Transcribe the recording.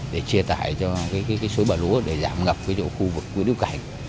để chia tải cho cái số bà lúa để giảm ngập cái chỗ khu vực quỹ đứa cảnh